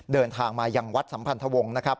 เดินทางมายังวัดสัมพันธวงศ์นะครับ